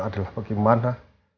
yang adalah bagaimana